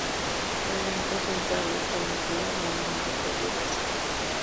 El Banco Central está vinculado con el Ministerio de Hacienda.